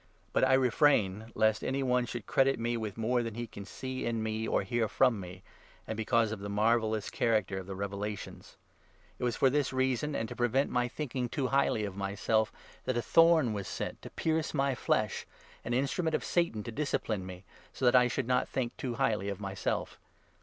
But I refrain, lest any one should credit me with more than he can see in me or hear from me, and because of the marvellous character of the revelations. It was for this 7 reason, and to prevent my thinking too highly of myself, that a thorn was sent to pierce my flesh — an instrument of Satan to discipline me — so that I should not think too highly of myself.